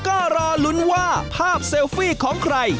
ก็รอลุ้นว่าภาพเซลฟี่ของใคร